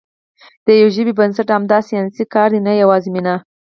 د یوې ژبې بنسټ همدا ساینسي کار دی، نه یوازې مینه.